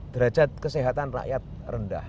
derajat kesehatan rakyat rendah